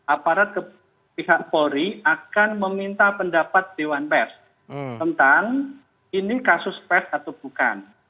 aparat pihak polri akan meminta pendapat dewan pers tentang ini kasus pers atau bukan